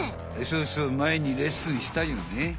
そうそうまえにレッスンしたよね。